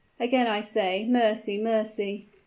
"Again I say mercy mercy!"